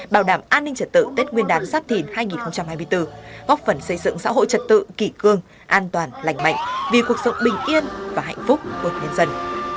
bảo đảm an ninh trật tự tết nguyên đán giáp thìn hai nghìn hai mươi bốn góp phần xây dựng xã hội trật tự kỷ cương an toàn lành mạnh vì cuộc sống bình yên và hạnh phúc của nhân dân